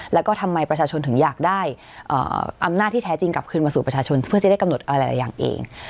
แล้วก็ทำไมประชาชนถึงอยากได้อำนาจที่แท้จริงกลับคืนมาสู่ประชาชนเพื่อจะได้กำหนดอะไรหลายอย่างเอง